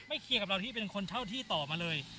เคลียร์กับเราที่เป็นคนเช่าที่ต่อมาเลย